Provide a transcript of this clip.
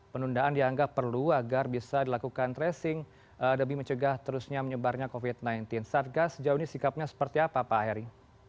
penundaan dianggap perlu agar bisa dilakukan tracing demi mencegah terusnya menyebarnya covid sembilan belas satgas sejauh ini sikapnya seperti apa pak heri